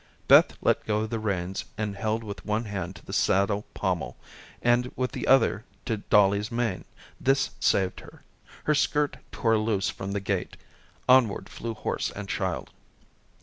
Beth let go the reins and held with one hand to the saddle pommel, and with the other to Dollie's mane. This saved her. Her skirt tore loose from the gate. Onward flew horse and child.